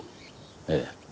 ええ。